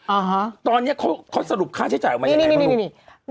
อ๋อฮะตอนนี้เขาเขาสรุปค่าใช้จ่ายออกมายังไงบ้างลูก